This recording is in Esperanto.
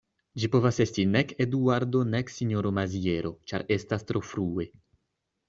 Ĝi povas esti nek Eduardo nek sinjoro Maziero; ĉar estas tro frue.